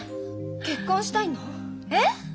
結婚したいの？え！？